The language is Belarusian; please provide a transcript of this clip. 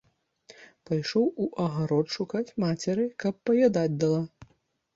Пайшоў у агарод шукаць мацеры, каб паядаць дала.